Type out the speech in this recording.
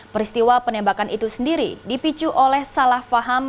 peristiwa penembakan itu sendiri dipicu oleh salah faham